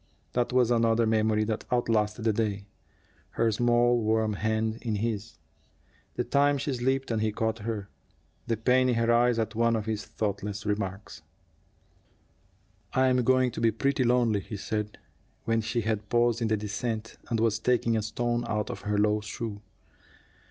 That was another memory that outlasted the day her small warm hand in his; the time she slipped and he caught her; the pain in her eyes at one of his thoughtless remarks. "I'm going to be pretty lonely," he said, when she had paused in the descent and was taking a stone out of her low shoe.